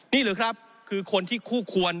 นี่หรือครับคือคนที่คู่ควร